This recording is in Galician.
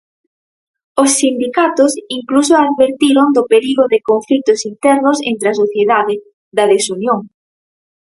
Os sindicatos incluso advertiron do perigo de conflitos internos entre a sociedade, da desunión.